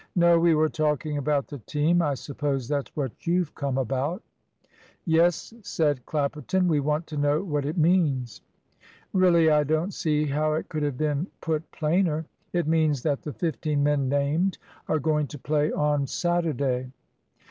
"No, we were talking about the team; I suppose that's what you've come about." "Yes," said Clapperton; "we want to know what it means!" "Really I don't see how it could have been put plainer. It means that the fifteen men named are going to play on Saturday."